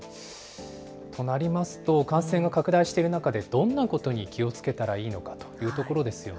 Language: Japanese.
となりますと、感染が拡大している中で、どんなことに気をつけたらいいのかというところですよね。